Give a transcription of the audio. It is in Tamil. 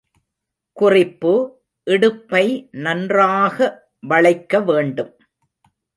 குறிப்பு இடுப்பை நன்றாக வளைக்க வேண்டும்.